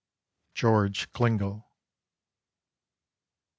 —George Klingle.